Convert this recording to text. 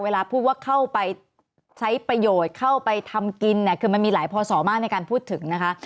เวลาพูดว่าเข้าไปใช้ประโยชน์เข้าไปทำกินเนี่ยคือมันมีหลายพศมากในการพูดถึงนะคะ